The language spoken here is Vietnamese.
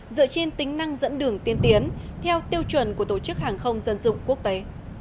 dựa trên tính năng dẫn đường tiên tiến theo tiêu chuẩn của tổ chức hàng không dân dụng quốc tế